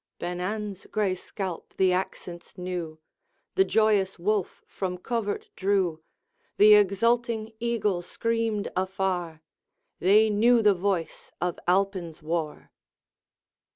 Ben an's gray scalp the accents knew, The joyous wolf from covert drew, The exulting eagle screamed afar, They knew the voice of Alpine's war.